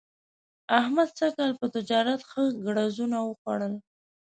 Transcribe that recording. احمد سږ کال په تجارت ښه ګړزونه وخوړل.